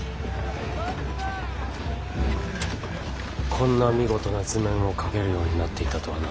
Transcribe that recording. こんな見事な図面を描けるようになっていたとはな。